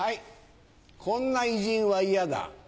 こんな偉人はイヤだ。